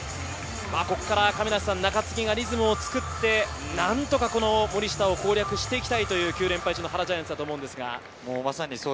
ここから中継ぎがリズムを作って、何とか森下を攻略していきたいという９連敗中の原ジャイアンツです。